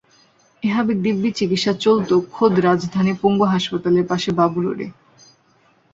এভাবে দিব্যি চিকিত্সা চলত খোদ রাজধানীর পঙ্গু হাসপাতালের পাশে বাবর রোডে।